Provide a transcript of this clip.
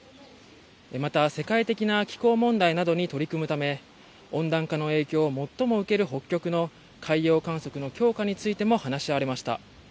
また、世界的な気候問題などに取り組むため温暖化の影響を最も受ける北極の海洋観測の強化についても話し合われました。